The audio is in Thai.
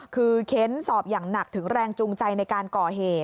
คือเค้นสอบอย่างหนักถึงแรงจูงใจในการก่อเหตุ